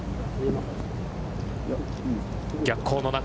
逆光の中。